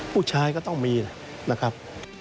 ผู้ชายก็ต้องมีนะครับ